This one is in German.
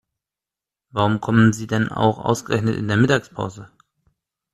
Warum kommen Sie denn auch ausgerechnet in der Mittagspause?